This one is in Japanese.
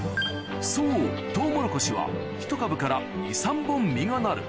そうトウモロコシは１株から２３本実がなる